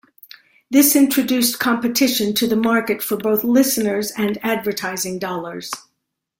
This introduced competition to the market for both listeners and advertising dollars.